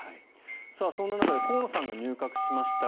そんな中で河野さんが入閣しました。